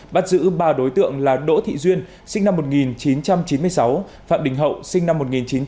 bắt giữ ba đối tượng là đỗ thị duyên sinh năm một nghìn chín trăm chín mươi sáu phạm đình hậu sinh năm một nghìn chín trăm chín mươi